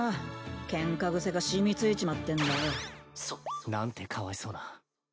ケンカ癖がしみついちまってんだよ。なんてかわいそうな。